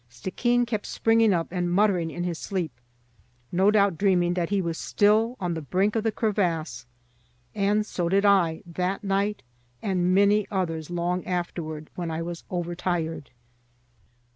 Stickeen kept springing up and muttering in his sleep, no doubt dreaming that he was still on the brink of the crevasse; and so did I, that night and many others long afterward, when I was overtired.